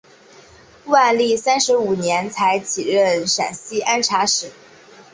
万历三十五年才起任陕西按察使。